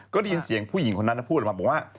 ก็ได้ยินเสียงผู้หญิงคนนั้นพูดออกมาบอกว่า